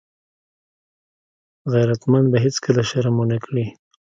غیرتمند به هېڅکله شرم ونه کړي